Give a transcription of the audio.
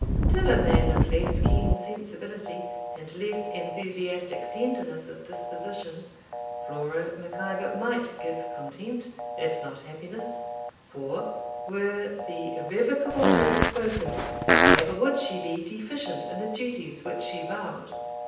To a man of less keen sensibility, and less enthusiastic tenderness of disposition, Flora Mac Ivor might give content, if not happiness; for, were the irrevocable words spoken, never would she be deficient in the duties which she vowed.'